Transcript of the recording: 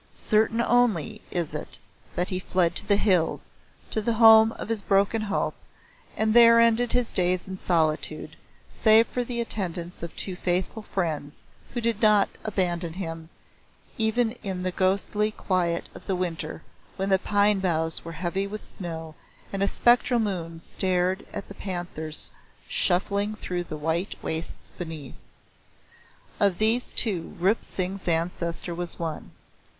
Certain only is it that he fled to the hills, to the home of his broken hope, and there ended his days in solitude, save for the attendance of two faithful friends who would not abandon him even in the ghostly quiet of the winter when the pine boughs were heavy with snow and a spectral moon stared at the panthers shuffling through the white wastes beneath. Of these two Rup Singh's ancestor was one.